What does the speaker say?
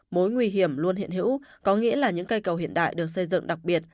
mối nguy hiểm luôn hiện hữu có nghĩa là những cây cầu hiện đại được xây dựng đặc biệt